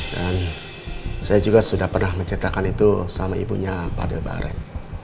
dan saya juga sudah pernah menceritakan itu sama ibunya pak aldebaran